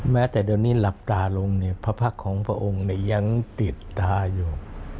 แม้แต่ตอนนี้หลับตาลงพระพรรคของพระองค์ยังติดตาอยู่